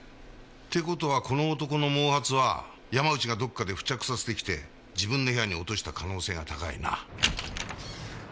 って事はこの男の毛髪は山内がどこかで付着させてきて自分の部屋に落とした可能性が高いな。